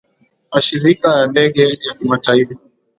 ashirika ya ndege ya kimataifa